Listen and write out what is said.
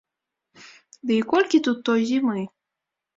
Ды і колькі тут той зімы.